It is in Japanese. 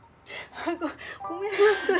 ごごめんなさい。